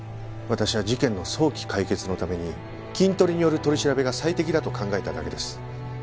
私は事件の早期解決のためにキントリによる取り調べが最適だと考えただけです。